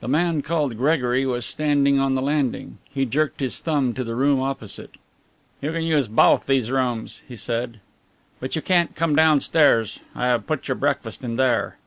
The man called Gregory was standing on the landing. He jerked his thumb to the room opposite. "You can use both these rooms," he said, "but you can't come downstairs. I have put your breakfast in there."